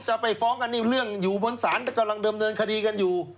จะไปฟ้องกันนี่เรื่องอยู่บนศาลกำลังเดิมเนินคดีกันอยู่